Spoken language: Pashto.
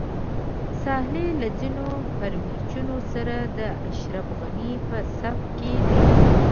صالح له ځینو پرچمیانو سره د اشرف غني په صف کې دی.